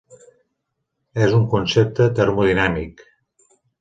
És un concepte termodinàmic.